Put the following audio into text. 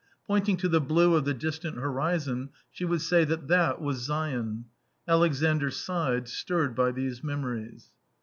Pointing to the blue of the distant horizon she would say that that was Sion. ... Alexandr sighed, stirred by these memories.